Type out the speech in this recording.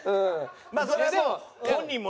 まあそれは本人もね。